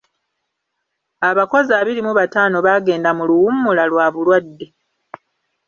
Abakozi abiri mu bataano baagenda mu luwummula lwa bulwadde.